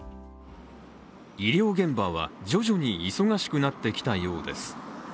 医療現場は徐々に忙しくなってきたようです。